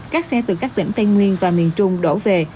các xe từ các tỉnh tây nguyên và miền trung đổ về